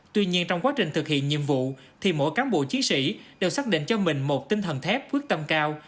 tuy nhiên trong quá trình thực hiện nhiệm vụ thì mỗi cán bộ chiến sĩ đều xác định cho mình một tinh thần thép quyết tâm cao